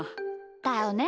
だよね。